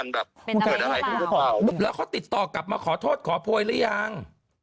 แล้วเขาติดต่อกลับมาขอโทษขอโพยหรือยัง